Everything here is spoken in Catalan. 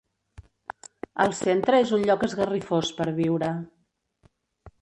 El centre és un lloc esgarrifós per viure.